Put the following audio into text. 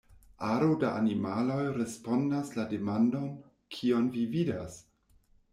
Aro da animaloj respondas la demandon "kion vi vidas?